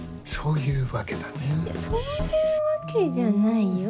いやそういうわけじゃないよ。